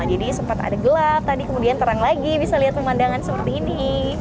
sempat ada gelap tadi kemudian terang lagi bisa lihat pemandangan seperti ini